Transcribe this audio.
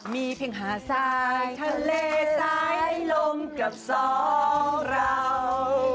มีเพลงหาสายทะเลสายลมกับสองราว